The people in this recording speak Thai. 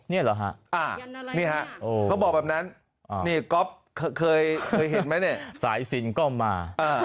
นี่เหรอฮะนี่ฮะเขาบอกแบบนั้นนี่ก๊อฟเคยเห็นไหมเนี่ยสายสินก็มา